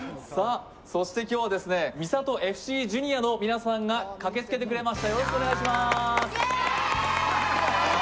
今日は三郷ＦＣジュニアの皆さんが駆けつけてくれました。